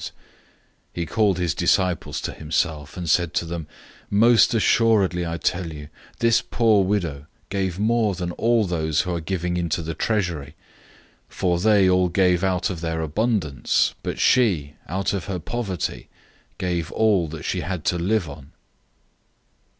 } 012:043 He called his disciples to himself, and said to them, "Most certainly I tell you, this poor widow gave more than all those who are giving into the treasury, 012:044 for they all gave out of their abundance, but she, out of her poverty, gave all that she had to live on."